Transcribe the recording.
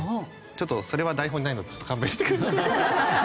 ちょっとそれは台本にないので勘弁してください。